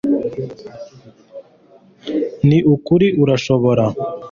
ni ukuri, urashobora